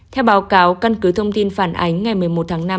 theo báo cáo căn cứ thông tin phản ánh ngày một mươi một tháng năm